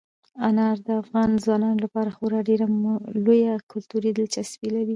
انار د افغان ځوانانو لپاره خورا ډېره لویه کلتوري دلچسپي لري.